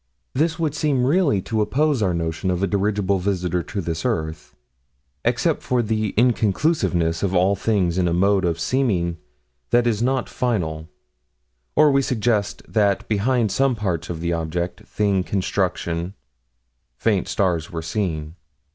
This would seem really to oppose our notion of a dirigible visitor to this earth except for the inconclusiveness of all things in a mode of seeming that is not final or we suggest that behind some parts of the object, thing, construction, faint stars were seen.